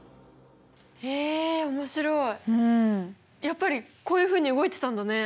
やっぱりこういうふうに動いてたんだね。